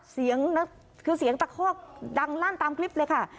เสียงตะคอกดังลั่นตามคลิปเลยค่ะ